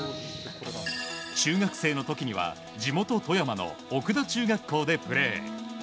中学生の時には地元・富山の奥田中学校でプレー。